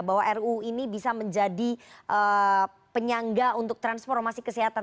bahwa ruu ini bisa menjadi penyangga untuk transformasi kesehatan